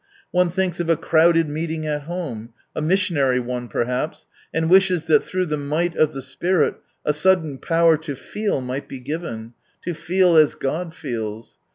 One thinks of a crowded meeting at_home — a missionary one perhaps — and wishes that through the might of the Spirit a sudden power to feel might be given — to feel as God feels.